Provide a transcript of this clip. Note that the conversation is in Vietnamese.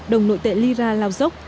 đồng nội tệ lyra lao dốc